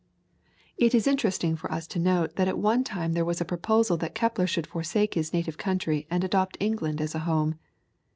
It is interesting for us to note that at one time there was a proposal that Kepler should forsake his native country and adopt England as a home.